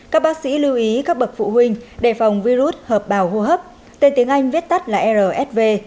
các bác sĩ lưu ý các bậc phụ huynh đề phòng virus hợp bào hô hấp tên tiếng anh viết tắt là rsv